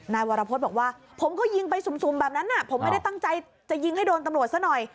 นายวรพฤษบอกว่าผมก็ยิงไปสุ่มแบบนั้นผมไม่ได้ตั้งใจจะยิงให้โดนตำรวจซะหน่อย